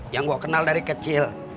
yang gue kenal dari kecil